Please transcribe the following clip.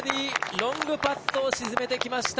ロングパットを沈めてきました。